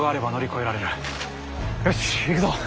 よし行くぞ。